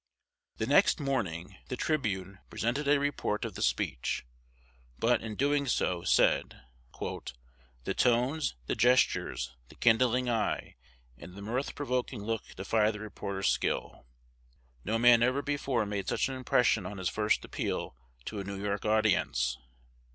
The next morning "The Tribune" presented a report of the speech, but, in doing so, said, "the tones, the gestures, the kindling eye, and the mirth provoking look defy the reporter's skill.... No man ever before made such an impression on his first appeal to a New York audience."